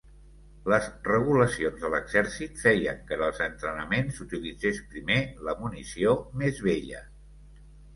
Les regulacions de l'exèrcit feien que en els entrenaments s'utilitzés primer la munició més vella.